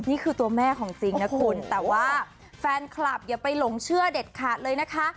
นี่คือตัวแม่ของจริงนะคุณแต่ว่าแฟนคลับอย่าไปหลงเชื่อเด็ดขาดเลยนะคะ